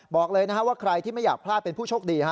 บอกเลยว่าใครที่ไม่อยากพลาดเป็นผู้โชคดี